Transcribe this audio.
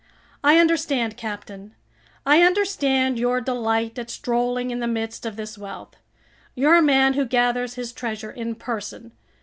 "I understand, captain, I understand your delight at strolling in the midst of this wealth. You're a man who gathers his treasure in person.